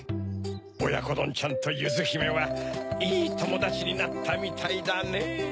おやこどんちゃんとゆずひめはいいともだちになったみたいだねぇ。